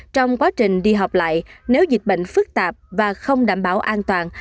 trong quá trình đi học lại nếu dịch bệnh phức tạp và không đảm bảo an toàn